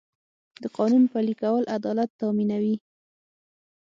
د قانون پلي کول عدالت تامینوي.